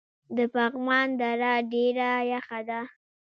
د پغمان دره ډیره یخه ده